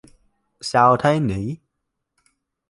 Sao thế nhỉ